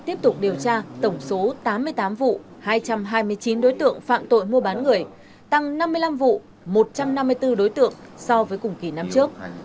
tiếp tục điều tra tổng số tám mươi tám vụ hai trăm hai mươi chín đối tượng phạm tội mua bán người tăng năm mươi năm vụ một trăm năm mươi bốn đối tượng so với cùng kỳ năm trước